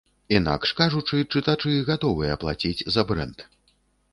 Інакш кажучы, чытачы гатовыя плаціць за брэнд.